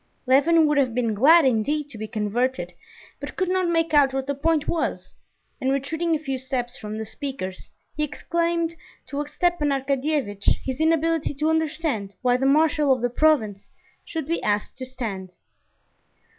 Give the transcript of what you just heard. Levin would have been glad indeed to be converted, but could not make out what the point was, and retreating a few steps from the speakers, he explained to Stepan Arkadyevitch his inability to understand why the marshal of the province should be asked to stand.